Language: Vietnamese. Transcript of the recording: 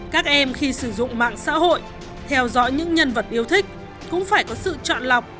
các em khi sử dụng mạng xã hội theo dõi những nhân vật yêu thích cũng phải có sự chọn lọc